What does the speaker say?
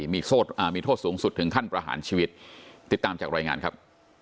มีโทษสูงสุดถึงขั้นประหารชีวิตติดตามจากรายงานครับ